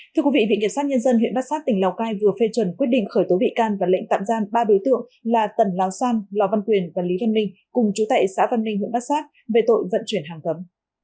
thưa quý vị viện kiểm sát nhân dân huyện bát sát tỉnh lào cai vừa phê chuẩn quyết định khởi tố bị can và lệnh tạm giam ba đối tượng là tần lào san lò văn quyền và lý văn minh cùng chú tệ xã văn ninh huyện bát sát về tội vận chuyển hàng cấm